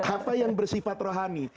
apa yang bersifat rohani